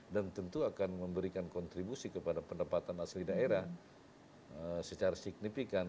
dan tentu akan memberikan kontribusi kepada pendapatan asli daerah secara signifikan